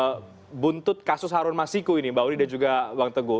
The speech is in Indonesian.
soal buntut kasus harun masiku ini mbak uri dan juga bang teguh